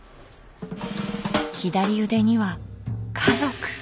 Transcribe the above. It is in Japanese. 左腕には「家族」！